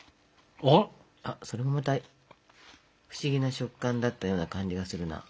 それもまた不思議な食感だったような感じがするな。